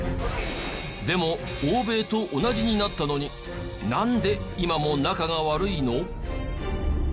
でも欧米と同じになったのになんで今も仲が悪いの？